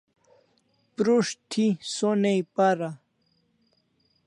Prus't thi sonai para